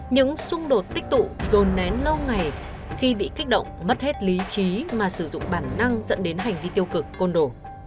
những xung đột tích tụ rồn nén lâu ngày khi bị kích động mất hết lý trí mà sử dụng bản năng dẫn đến hành vi tiêu cực côn đồ